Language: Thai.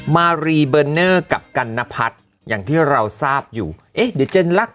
มารีเบอร์เนอร์กับกัณพัฒน์อย่างที่เราทราบอยู่เอ๊ะเดี๋ยวเจนรัก